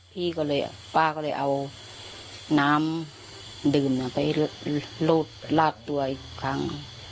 พี่ก็เลยป้าก็เลยเอาน้ำดื่มไปลาดตัวอีกครั้ง